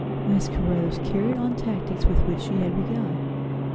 Miss Caruthers carried on the tactics with which she had begun.